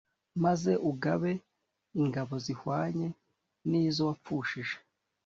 maze ugabe ingabo zihwanye n izo wapfushije